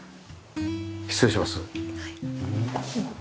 失礼します。